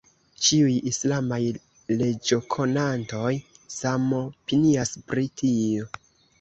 Ĉiuj islamaj leĝokonantoj samopinias pri tio.